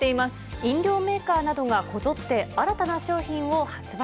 飲料メーカーなどがこぞって新たな商品を発売。